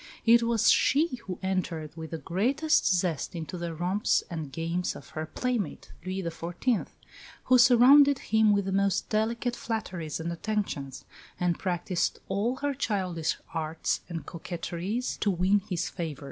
It was she who entered with the greatest zest into the romps and games of her playmate, Louis XIV., who surrounded him with the most delicate flatteries and attentions, and practised all her childish arts and coquetries to win his favour.